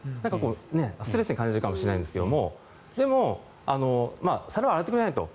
ストレスに感じるかもしれないんですが皿は洗ってくれないと。